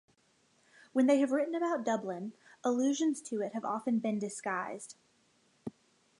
When they have written about Dublin, allusions to it have often been disguised.